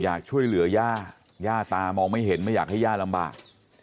อยากช่วยเหลือย่าย่าตามองไม่เห็นไม่อยากให้ย่าลำบาก